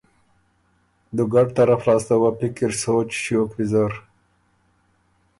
دوګډ طرف لاسته وه پِکِر سوچ ݭیوک ویزر